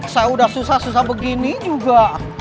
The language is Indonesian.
saya sudah susah susah begini juga